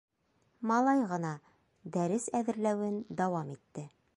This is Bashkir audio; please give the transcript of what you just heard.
Малай ғына дәрес әҙерләүен дауам итте.